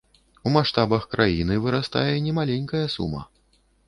У маштабах краіны вырастае немаленькая сума.